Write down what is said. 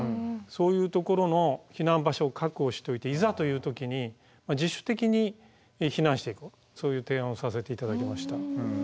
そういうところの避難場所を確保しておいていざという時に自主的に避難していくそういう提案をさせて頂きました。